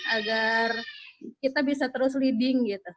agar kita bisa terus leading gitu